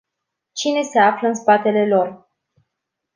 Cine se află în spatele lor?